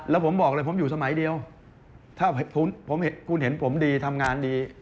แล้วผมบอกเลยผมอยู่สมัยเดียวถ้าคุณเห็นผมดีทำงานดี